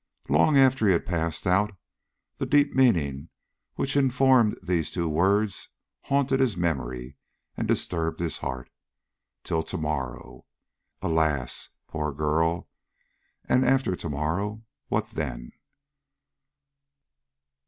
Long after he had passed out, the deep meaning which informed those two words haunted his memory and disturbed his heart. Till to morrow! Alas, poor girl! and after to morrow, what then?